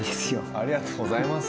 ありがとうございます。